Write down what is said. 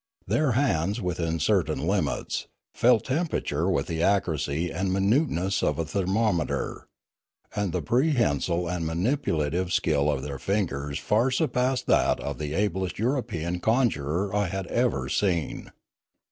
Their hands, within certain limits, felt temperature with the accuracy and minuteness of a thermometer. And the prehensile and manipulative skill of their fingers far surpassed that of the ablest European conjuror I had ever seen.